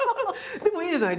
でもいいじゃない。